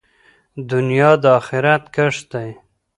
دنیا د آخرت کښت دی.